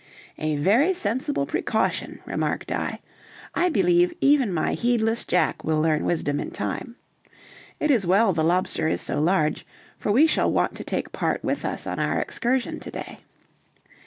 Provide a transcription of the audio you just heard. "A very sensible precaution," remarked I. "I believe even my heedless Jack will learn wisdom in time. It is well the lobster is so large, for we shall want to take part with us on our excursion to day."